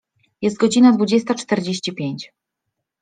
Jest godzina dwudziesta czterdzieści pięć.